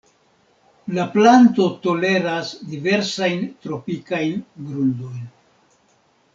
La planto toleras diversajn tropikajn grundojn.